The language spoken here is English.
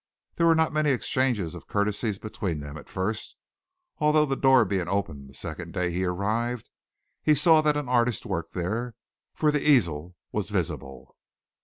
There were not many exchanges of courtesies between them at first, although, the door being open the second day he arrived, he saw that an artist worked there, for the easel was visible.